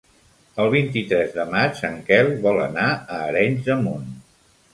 El vint-i-tres de maig en Quel vol anar a Arenys de Munt.